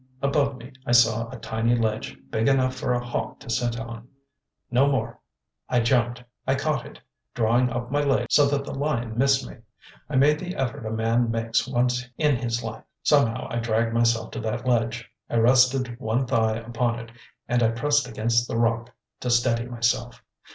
Above me I saw a tiny ledge, big enough for a hawk to sit on—no more. I jumped, I caught it, drawing up my legs so that the lion missed me. I made the effort a man makes once in his life. Somehow I dragged myself to that ledge; I rested one thigh upon it and pressed against the rock to steady myself.